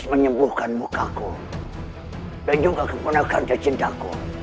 semuhkan muka ku dan juga kebenarkan tercinta ku